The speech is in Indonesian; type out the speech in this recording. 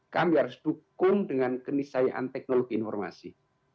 kami harus dukung dengan kenisayaan teknologi informasi